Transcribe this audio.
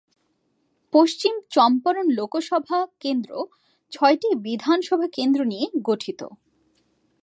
পশ্চিম চম্পারণ লোকসভা কেন্দ্র ছয়টি বিধানসভা কেন্দ্র নিয়ে গঠিত।